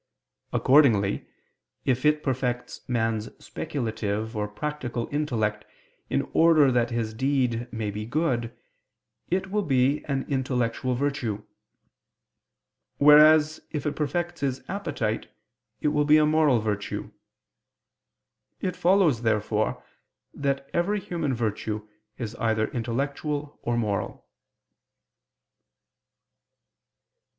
Accordingly if it perfects man's speculative or practical intellect in order that his deed may be good, it will be an intellectual virtue: whereas if it perfects his appetite, it will be a moral virtue. It follows therefore that every human virtue is either intellectual or moral.